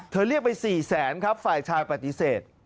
เรียกไป๔แสนครับฝ่ายชายปฏิเสธ